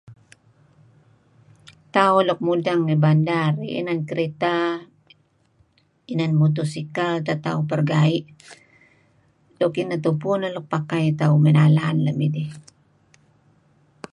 Tauh luk mudeng ngi bandar eh inan kereta, inan motorsikal teh tauh peregaie' luk inah tupu luk pakai tauh mey nalan lem idih.